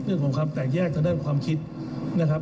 เรื่องของความแตกแยกทางด้านความคิดนะครับ